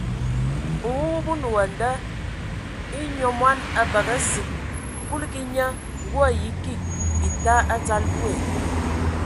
Nwumub o nə wa a nda : e nyɔ mɔn a bəgə asig! Kuligi nye ngə o ayi kig bita a dzal do.